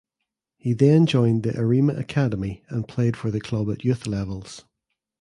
He then joined the Arema Academy and played for the club at youth levels.